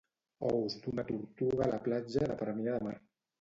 Ous d'una tortuga a la platja de Premià de Mar.